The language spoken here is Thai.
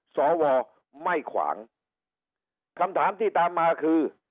สวไม่ขวางคำถามที่ตามมาคือ